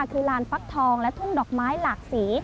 คือลานฟักทองและทุ่งดอกไม้หลากสี